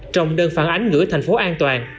trong đơn phản ánh ngữ thành phố an toàn